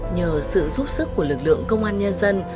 nhờ sự giúp sức của lực lượng công an nhân dân